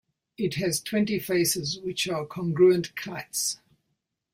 It has twenty faces which are congruent kites.